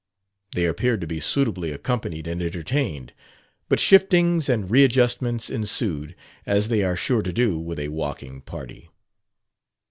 They appeared to be suitably accompanied and entertained. But shiftings and readjustments ensued, as they are sure to do with a walking party.